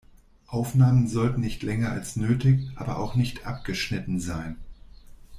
Aufnahmen sollten nicht länger als nötig, aber auch nicht abgeschnitten sein.